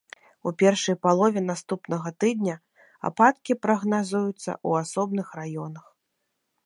У першай палове наступнага тыдня ападкі прагназуюцца ў асобных раёнах.